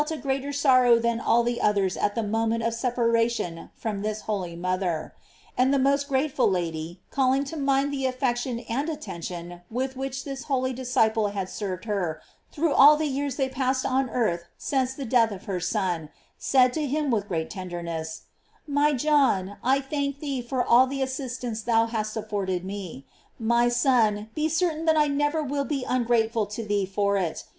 489 a greater sorrow than all the others at the moment of separation from that holy mother; and the most grateful Lady, calling to mind the affection and attention with which this holy disciple had served her through all the years they had passed on earth since the death of her Son, said to him with great tenderness: My John, I thank thee for all the assistance thou hast afforded me; my son, be certain that I never will be ungrateful to thee for it.